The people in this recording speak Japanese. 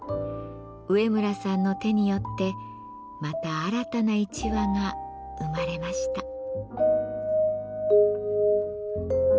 上村さんの手によってまた新たな一羽が生まれました。